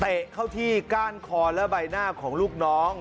เข้าที่ก้านคอและใบหน้าของลูกน้อง